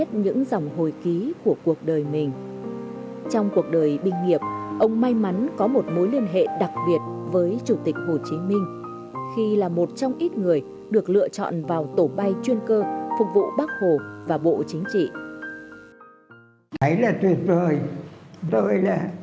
trong cuộc đời mình binh nghiệp ông may mắn có một mối liên hệ đặc biệt với chủ tịch hồ chí minh khi là một trong ít người được lựa chọn vào tổ bay chuyên cơ phục vụ bác hồ và bộ chính trị